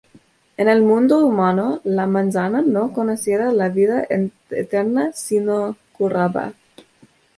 En el mundo humano la manzana no concedía la vida eterna sino que curaba.